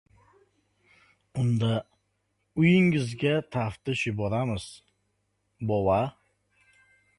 — Unda, uyingizga taftish yuboramiz, bova.